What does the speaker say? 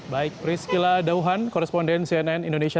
baik priscila dauhan koresponden cnn indonesia